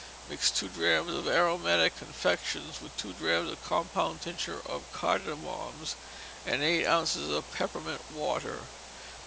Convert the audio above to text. Mix two drachms of aromatic confection with two drachms of compound tincture of cardamoms, and eight ounces of peppermint water.